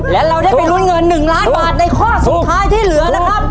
และเราได้ไปลุ้นเงิน๑ล้านบาทในข้อสุดท้ายที่เหลือนะครับ